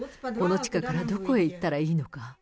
この地下からどこへ行ったらいいのか。